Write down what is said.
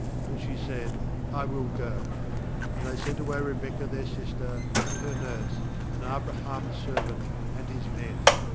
And she said: 'I will go.' 69And they sent away Rebekah their sister, and her nurse, and Abraham's servant, and his men.